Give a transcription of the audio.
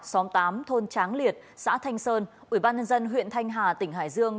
xóm tám thôn tráng liệt xã thanh sơn ủy ban nhân dân huyện thanh hà tỉnh hải dương